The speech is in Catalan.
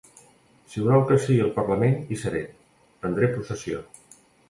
Si voleu que sigui al parlament, hi seré, prendré possessió.